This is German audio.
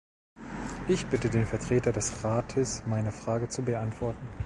Ich bitte den Vertreter des Rates, meine Frage zu beantworten.